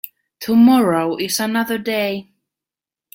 Tomorrow is another day.